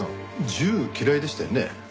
銃嫌いでしたよね？